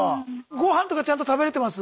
御飯とかちゃんと食べれてます？